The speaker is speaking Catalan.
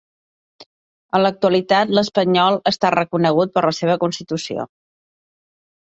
En l'actualitat l'espanyol està reconegut per la seva Constitució.